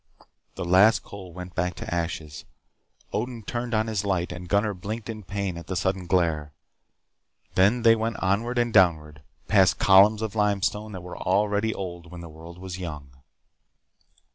The last coal went back to ashes. Odin turned on his light, and Gunnar blinked in pain at the sudden glare. Then they went onward and downward, past columns of limestone that were already old when the world was young.